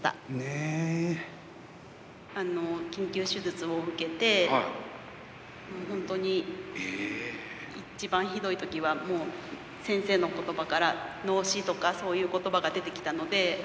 緊急手術を受けて本当に、いちばんひどい時はもう先生の言葉から脳死とかそういう言葉が出てきたので。